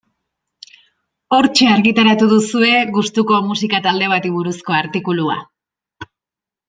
Hortxe argitaratu duzue gustuko musika talde bati buruzko artikulua.